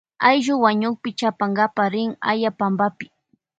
Ayllu wañukpi chapanka rin aya panpapi.